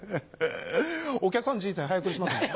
お客さんの人生早送りしますね。